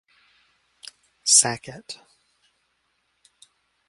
Sackett.